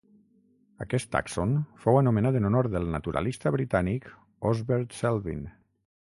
Aquest tàxon fou anomenat en honor del naturalista britànic Osbert Salvin.